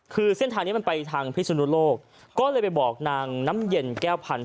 คือเส้นทางนี้มันไปทางพิสุนุโลกก็เลยไปบอกนางน้ำเย็นแก้วพันธ์